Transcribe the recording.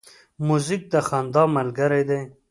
موزیک د خندا ملګری دی.